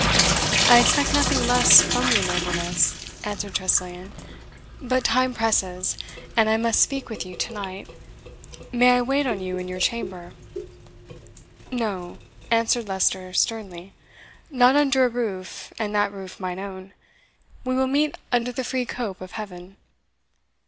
"I expect nothing less from your nobleness," answered Tressilian; "but time presses, and I must speak with you to night. May I wait on you in your chamber?" "No," answered Leicester sternly, "not under a roof, and that roof mine own. We will meet under the free cope of heaven."